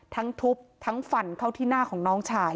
ทั้งทุบทั้งฟันเข้าที่หน้าของน้องชาย